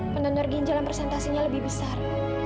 pendengar ginjal yang presentasinya lebih besar